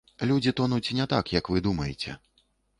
Людзі тонуць не так, як вы думаеце.